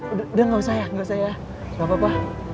udah gak usah ya gak usah ya gak apa apa